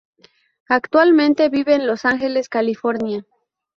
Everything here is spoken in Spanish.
Actualmente vive en Los Ángeles, California.